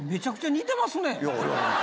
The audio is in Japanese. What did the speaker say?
「似てますね」